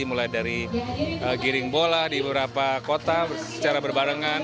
mulai dari giring bola di beberapa kota secara berbarengan